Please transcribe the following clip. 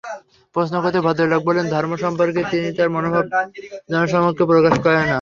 প্রশ্ন করতেই ভদ্রলোক বললেন, ধর্ম সম্পর্কে তিনি তাঁর মনোভাব জনসমক্ষে প্রকাশ করেন না।